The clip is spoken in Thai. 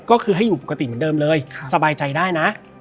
ก็คือให้อยู่ปกติเหมือนเดิมเลยสบายใจได้นะ